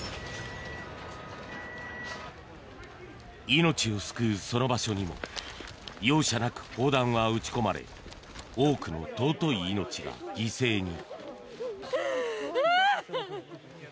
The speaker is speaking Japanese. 命を救うその場所にも容赦なく砲弾は撃ち込まれ多くの尊い命が犠牲に。